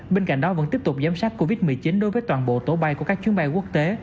bên cạnh đó vẫn tiếp tục giám sát covid một mươi chín đối với toàn bộ tổ bay của các chuyến bay quốc tế